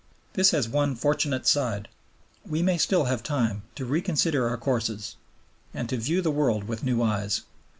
This has one fortunate side. We may still have time to reconsider our courses and to view the world with new eyes.